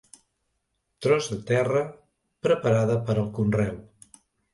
Tros de terra preparada per al conreu.